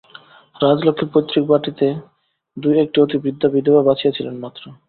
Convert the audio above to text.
রাজলক্ষ্মীর পৈতৃক বাটিতে দুই-একটি অতিবৃদ্ধা বিধবা বাঁচিয়া ছিলেন মাত্র।